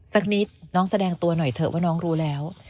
สักนิดน้องแสดงตัวหน่อยเถอะว่าน้องรู้แล้ว